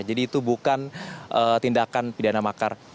jadi itu bukan tindakan pidana makar